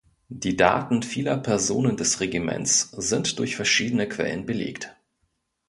Die Daten vieler Personen des Regiments sind durch verschiedene Quellen belegt.